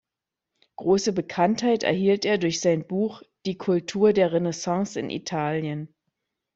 Grosse Bekanntheit erhielt er durch sein Buch "Die Cultur der Renaissance in Italien".